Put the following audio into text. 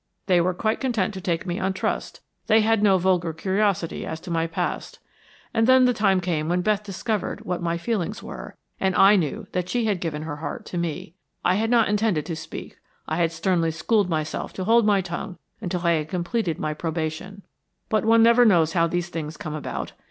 They were quite content to take me on trust, they had no vulgar curiosity as to my past. And then the time came when Beth discovered what my feelings were, and I knew that she had given her heart to me. I had not intended to speak, I had sternly schooled myself to hold my tongue until I had completed my probation; but one never knows how these things come about.